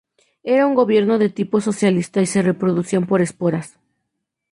Era un gobierno de tipo socialista y se reproducían por esporas.